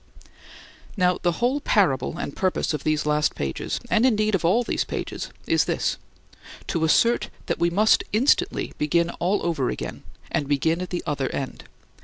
Now the whole parable and purpose of these last pages, and indeed of all these pages, is this: to assert that we must instantly begin all over again, and begin at the other end.